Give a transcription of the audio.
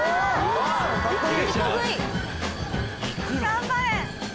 頑張れ！